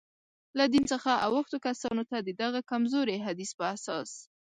له دین څخه اوښتو کسانو ته، د دغه کمزوري حدیث په اساس.